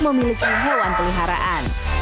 memiliki hewan pengharaan